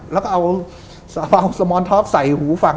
แล้วก็เอาสระเบาสมอนทอบใส่หูฟัง